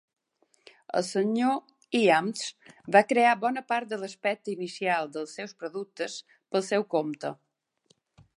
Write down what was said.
El Sr. Iams va crear bona part de l'aspecte inicial dels seus productes pel seu compte.